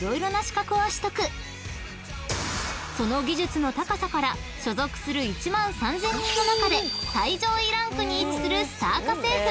［その技術の高さから所属する１万３，０００人の中で最上位ランクに位置するスター家政婦！］